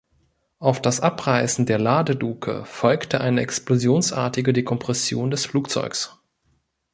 Auf das Abreißen der Ladeluke folgte eine explosionsartige Dekompression des Flugzeugs.